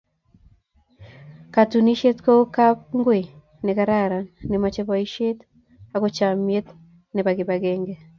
Katunisyet kou kapngui ne keraran ne mochei boisyet ako chomnyet nebo kibagenge.